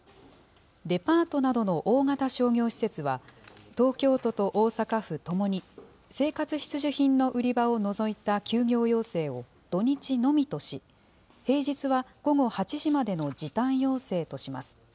デパートなどの大型商業施設は、東京都と大阪府ともに生活必需品の売り場を除いた休業要請を土日のみとし、平日は午後８時までの時短要請とします。